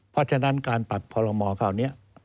เพราะฉะนั้นการปรับพรรมอคราวนี้